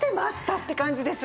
って感じです。